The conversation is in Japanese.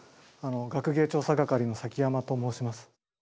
学芸調査係の崎山と申します。